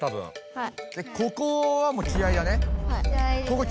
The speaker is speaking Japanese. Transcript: はい。